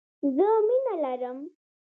زه مینه لرم.